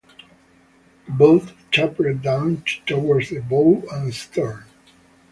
The belt tapered down to towards the bow and stern.